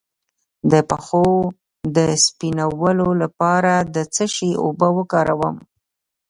د پښو د سپینولو لپاره د څه شي اوبه وکاروم؟